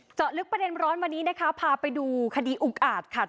เจาะลึกประเด็นร้อนวันนี้นะคะพาไปดูคดีอุกอาจค่ะ